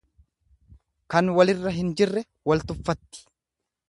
Kan walirra hin jirre wal tuffatti.